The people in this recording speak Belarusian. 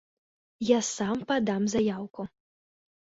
Я сам падам заяўку!